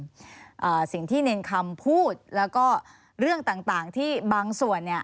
หรือว่าสิ่งที่เน้นคำพูดแล้วก็เรื่องต่างที่บางส่วน